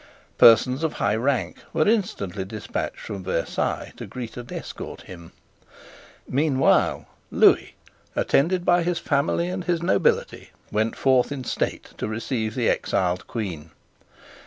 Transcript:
Persons of high rank were instantly despatched from Versailles to greet and escort him. Meanwhile Lewis, attended by his family and his nobility, went forth in state to receive the exiled Queen.